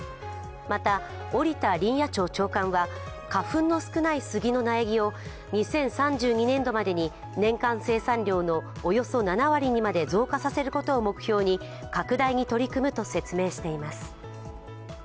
また、織田林野庁長官は、花粉の少ない杉の苗木を２０３２年度までに年間生産量のおよそ７割にまで増加させることを目標に拡大に取り組むと説明しています。